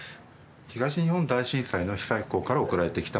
東日本大震災の被災校から送られてきたものです。